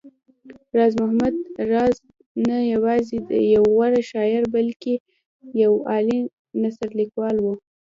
راز محمد راز دی نه يوازې يو غوره شاعر بلکې يو عالي نثرليکوال و